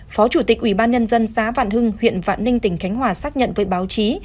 phó chủ tịch ubnd xã vạn hưng huyện vạn ninh tỉnh khánh hòa xác nhận với báo chí